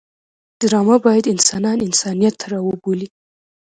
ډرامه باید انسانان انسانیت ته راوبولي